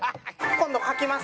今度描きます！